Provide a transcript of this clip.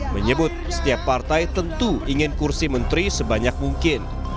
menyebut setiap partai tentu ingin kursi menteri sebanyak mungkin